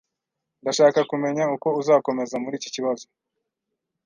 Ndashaka kumenya uko uzakomeza muri iki kibazo